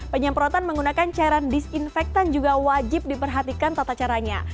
penyemprotan menggunakan cairan disinfektan juga wajib diperhatikan tata caranya